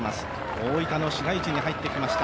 大分の市街地に入ってきました。